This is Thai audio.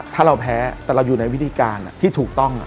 ถ้าเราแพ้แต่เราอยู่ในวิธีการที่ถูกต้อง